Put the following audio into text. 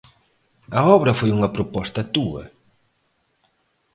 A obra foi unha proposta túa.